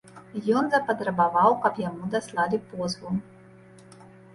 Ён запатрабаваў, каб яму даслалі позву.